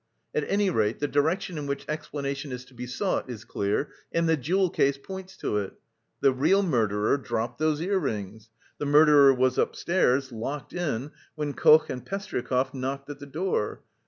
At any rate, the direction in which explanation is to be sought is clear, and the jewel case points to it. The real murderer dropped those ear rings. The murderer was upstairs, locked in, when Koch and Pestryakov knocked at the door.